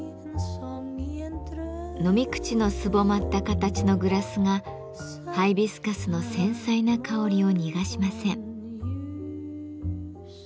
飲み口のすぼまった形のグラスがハイビスカスの繊細な香りを逃がしません。